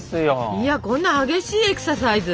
いやこんな激しいエクササイズ？